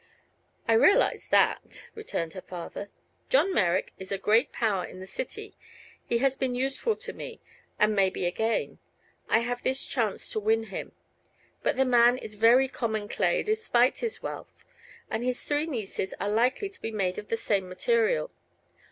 "I realize that," returned her father. "John Merrick is a great power in the city. He has been useful to me, and may be again. I have this chance to win him. But the man is very common clay, despite his wealth, and his three nieces are likely to be made of the same material.